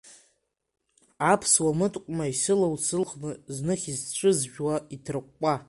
Аԥсуа мыткәма исылоу сылхны, зных исцәызжәуа иҭыркәкәа.